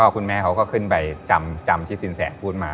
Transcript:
คุณแม่เขาก็ขึ้นไปจำที่สินแสพูดมา